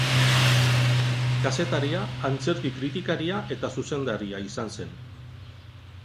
Kazetaria, antzerki-kritikaria eta zuzendaria izan zen.